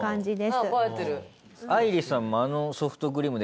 あっ映えてる。